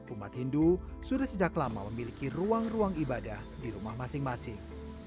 umat hindu sudah sejak lama memiliki ruang ruang ibadah di rumah masing masing